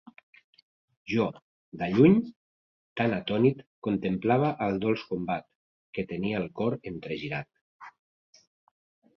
Jo, de lluny, tan atònit contemplava el dolç combat, que tenia el cor entregirat.